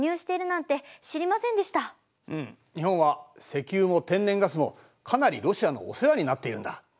日本は石油も天然ガスもかなりロシアのお世話になっているんだ。